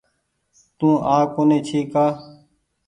تو آ ڪونيٚ ڇي ڪآ۔